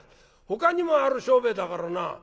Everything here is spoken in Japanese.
「ほかにもある商売だからな。